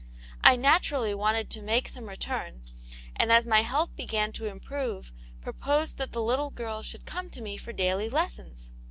I naturally wanted to make some return, and as my health began to improve, proposed that the little girls should come to me for daily lessons.